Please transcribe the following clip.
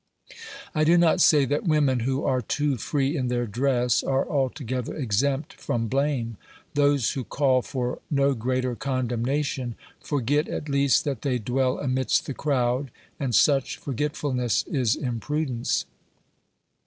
I do not say that women who are too free in their dress are altogether exempt from blame ; those who call for no greater condemnation forget at least that they dwell amidst the crowd, and such forget fulness is imprudence.